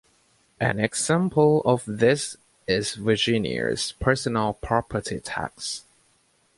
An example of this is Virginia's personal property tax.